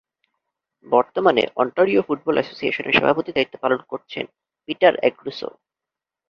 বর্তমানে Ontario football অ্যাসোসিয়েশনের সভাপতির দায়িত্ব পালন করছেন পিটার অ্যাগ্রুসো।